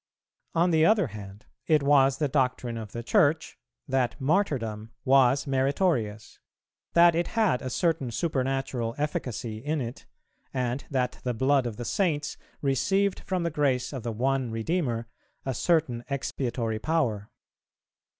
[406:2] On the other hand, it was the doctrine of the Church that Martyrdom was meritorious, that it had a certain supernatural efficacy in it, and that the blood of the Saints received from the grace of the One Redeemer a certain expiatory power.